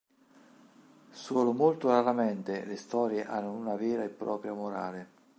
Solo molto raramente le storie hanno una vera e propria morale.